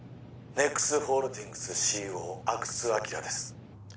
ＮＥＸホールディングスＣＥＯ阿久津晃です